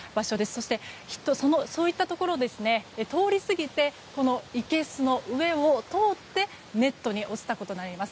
そしてそういったところを通り過ぎてこの、いけすの上を通ってネットに落ちたことになります。